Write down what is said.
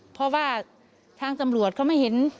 เพราะว่าทางตำรวจเขาไม่เห็น